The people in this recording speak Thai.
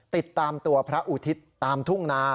ติดตามตัวพระอุทิศตามทุ่งนา